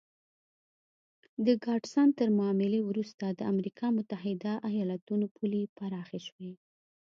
د ګاډسن تر معاملې وروسته د امریکا متحده ایالتونو پولې پراخې شوې.